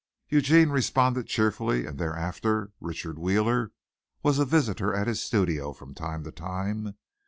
Eugene responded cheerfully and thereafter Richard Wheeler was a visitor at his studio from time to time.